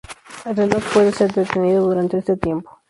El reloj puede ser detenido durante este tiempo.